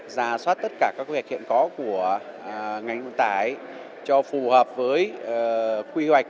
giả soát tất cả các quy hoạch hiện có của ngành vận tải cho phù hợp với quy hoạch